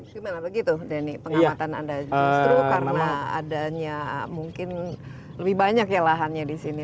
gimana begitu denny pengamatan anda justru karena adanya mungkin lebih banyak ya lahannya di sini